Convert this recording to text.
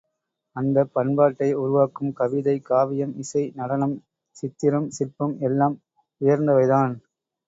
அந்தப் பண்பாட்டை உருவாக்கும் கவிதை, காவியம், இசை, நடனம், சித்திரம், சிற்பம் எல்லாம் உயர்ந்தவைதான்.